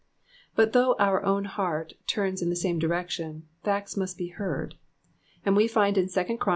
Bui though our own heart turns in the same direction, facts must be heard; and we find in 2 Chron.